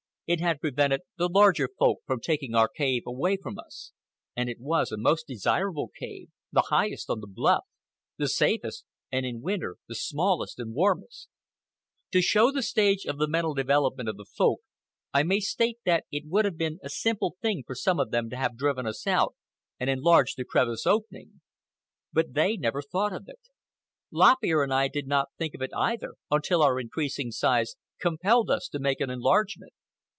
It had prevented the larger Folk from taking our cave away from us. And it was a most desirable cave, the highest on the bluff, the safest, and in winter the smallest and warmest. To show the stage of the mental development of the Folk, I may state that it would have been a simple thing for some of them to have driven us out and enlarged the crevice opening. But they never thought of it. Lop Ear and I did not think of it either until our increasing size compelled us to make an enlargement.